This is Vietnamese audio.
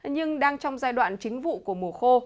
nhưng đang trong giai đoạn chính vụ của mùa khô